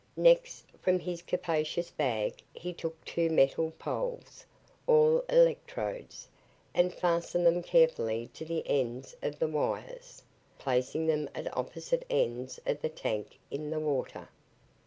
Next, from his capacious bag he took two metal poles, or electrodes, and fastened them carefully to the ends of the wires, placing them at opposite ends of the tank in the water.